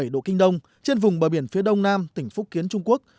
một trăm một mươi tám bảy độ kinh đông trên vùng bờ biển phía đông nam tỉnh phúc kiến trung quốc